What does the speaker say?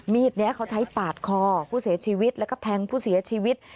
มีดนี้เขาใช้ปาดคอผู้เสียชีวิตแล้วก็แทงผู้เสียชีวิต